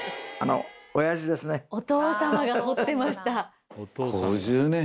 お父さまが彫ってました。